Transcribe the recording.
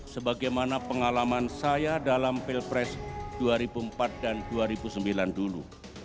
sebagaimana pengalaman saya dalam pilpres dua ribu empat dan dua ribu sembilan dulu